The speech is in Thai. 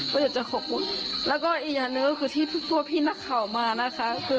ก็อยากจะขอบคุณแล้วก็อีกอย่างหนึ่งก็คือที่ตัวพี่นักข่าวมานะคะ